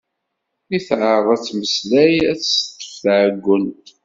Mi teɛreḍ ad temmeslay ad tt-teṭṭef tɛuggent.